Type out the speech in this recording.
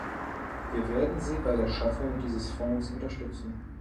Wir werden Sie bei der Schaffung dieses Fonds unterstützen.